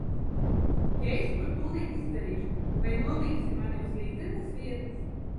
Ja es to tūlīt izdarīšu, vai nolīgsi mani uz līdzenas vietas?